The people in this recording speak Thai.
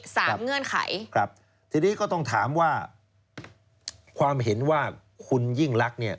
เงื่อนไขครับทีนี้ก็ต้องถามว่าความเห็นว่าคุณยิ่งลักษณ์เนี่ย